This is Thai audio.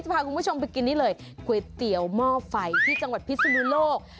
พาคุณผู้ชมไปกินนี่เลยก๋วยเตี๋ยวหม้อไฟที่จังหวัดพิศนุโลก